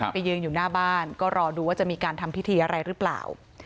ไปยืนอยู่หน้าบ้านก็รอดูว่าจะมีการทำพิธีอะไรหรือเปล่า